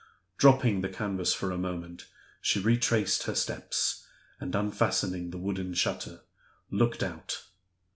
Dropping the canvas for the moment, she retraced her steps, and, unfastening the wooden shutter, looked out.